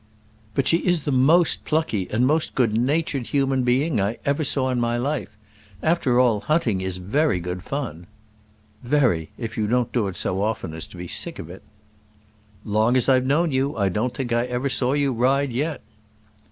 "But she is the most plucky and most good natured human being I ever saw in my life. After all, hunting is very good fun." "Very; if you don't do it so often as to be sick of it." "Long as I have known you I don't think I ever saw you ride yet."